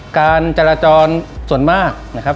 การจราจรส่วนมากนะครับ